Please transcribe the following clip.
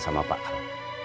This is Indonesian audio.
sama pak al